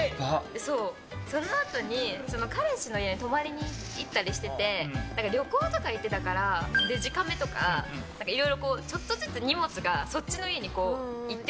そのあとに彼氏の家に泊まりに行ったりしてて旅行とか行ってたからデジカメとかいろいろちょっとずつ荷物がそっちの家に行ってて。